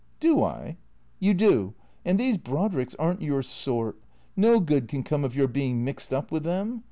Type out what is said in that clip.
"Do I?" " You do. And these Brodricks are n't your sort. No good can come of your being mixed up with them.